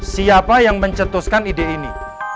siapa yang mencetuskan ide ini